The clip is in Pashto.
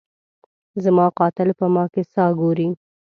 زما قاتل په ما کي ساه ګوري